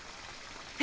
え？